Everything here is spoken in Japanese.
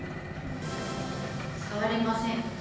触れません。